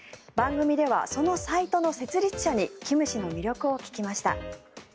番組ではそのサイトの設立者にキム氏の魅力を聞きました。